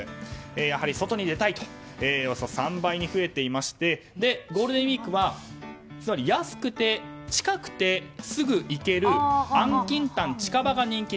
やはり外に出たいという方がおよそ３倍に増えていましてゴールデンウィークは安くて近くてすぐ行ける安近短、近場が人気。